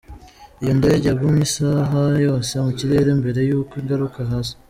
Iyo ndege yagumye isaha yose mu kirere mbere yuko igaruka hasi.